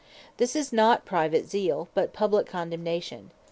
This is not Private Zeal, but Publique Condemnation.